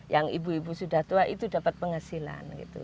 yang ibu ibu sudah tua itu dapat penghasilan gitu